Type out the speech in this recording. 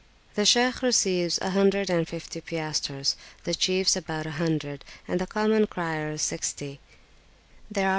The Shaykh receives a hundred and fifty piastres, the chiefs about a hundred, and the common criers sixty; there are [p.